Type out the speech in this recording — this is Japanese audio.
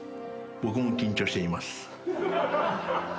僕も緊張しています。